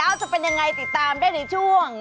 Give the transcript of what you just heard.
เอ้าจะเป็นอย่างไรติดตามได้ในช่วง